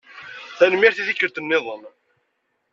Tanemmirt i tikkelt-nniḍen.